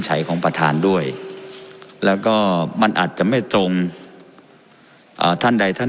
ของประธานด้วยแล้วก็มันอาจจะไม่ตรงอ่าท่านใดท่าน